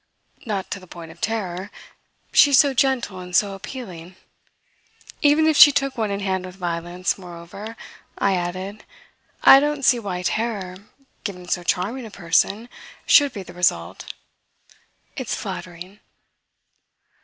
"Not to the point of terror. She's so gentle and so appealing. Even if she took one in hand with violence, moreover," I added, "I don't see why terror given so charming a person should be the result. It's flattering."